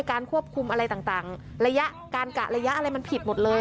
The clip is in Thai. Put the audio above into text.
การควบคุมอะไรต่างระยะการกะระยะอะไรมันผิดหมดเลย